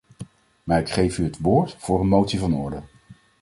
Maar ik geef u het woord voor een motie van orde.